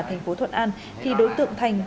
thành phố thuận an thì đối tượng thành